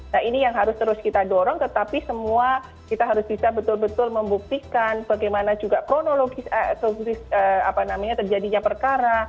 nah ini yang harus terus kita dorong tetapi semua kita harus bisa betul betul membuktikan bagaimana juga kronologis terjadinya perkara